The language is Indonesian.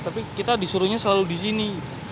tapi kita disuruhnya selalu disini